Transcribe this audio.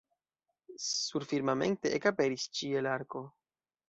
Surfirmamente ekaperis ĉielarko.